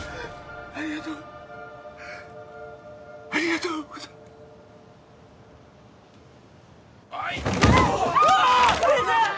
ありがとうありがとうございますはい・わあ水！